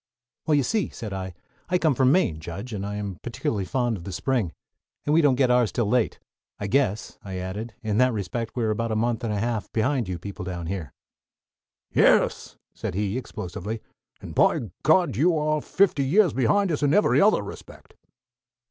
"Well, you see," said I, "I come from Maine, Judge, and I am particularly fond of the spring, and we don't get ours until late. I guess," I added, "that in respect to that we are about a month and a half behind you people down here." "Yes," said he explosively, "_and, by God! you are fifty years behind us in every other respect!